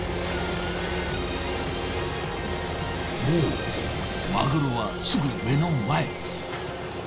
もうマグロはすぐ目の前。